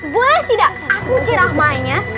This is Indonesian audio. boleh tidak aku ceramahnya